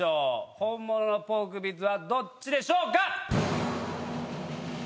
本物のポークビッツはどっちでしょうか？